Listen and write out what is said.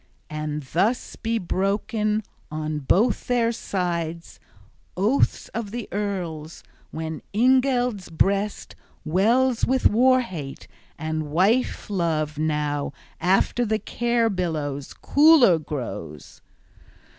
And thus be broken on both their sides oaths of the earls, when Ingeld's breast wells with war hate, and wife love now after the care billows cooler grows.